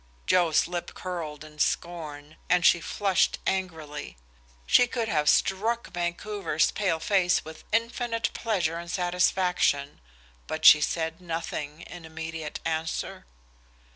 Joe's lip curled in scorn, and she flushed angrily. She could have struck Vancouver's pale face with infinite pleasure and satisfaction, but she said nothing in immediate answer.